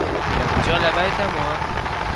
La voiture là-bas est à moi.